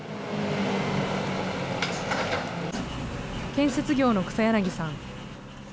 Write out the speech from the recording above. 建設業の草柳さん。